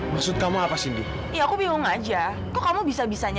fadil kasih tau ibu kamu ada disini